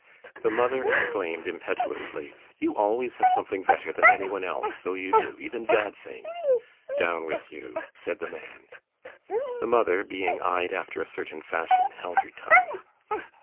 The mother exclaimed impetuously:— "You always have something better than any one else, so you do! even bad things." "Down with you!" said the man. The mother, being eyed after a certain fashion, held her tongue.